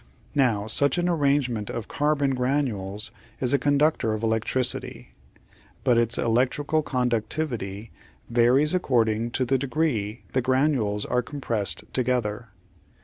Now such an arrangement of carbon granules is a conductor of electricity, but its electrical conductivity varies according to the degree the granules are compressed to gether.